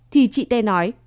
thì chị t nói